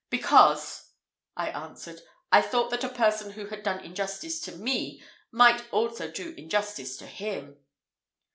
"Because," I answered, "I thought that a person who had done injustice to me, might also do injustice to him."